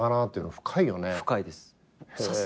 深いです。